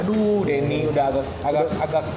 aduh denny udah agak